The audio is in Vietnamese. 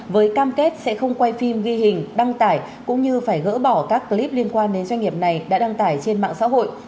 với cam kết sẽ không quay phim ghi hình đăng tải cũng như phải gỡ bỏ các clip liên quan đến doanh nghiệp này đã đăng tải trên mạng xã hội